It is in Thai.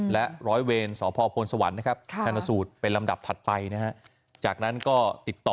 และร้อยเวรสพสวทนะครับถ้าสูทในลำดับถัดไปนะครับจากนั้นก็ติดต่อ